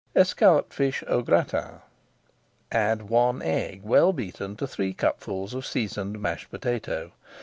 ESCALLOPED FISH AU GRATIN Add one egg well beaten to three cupfuls of seasoned mashed potato.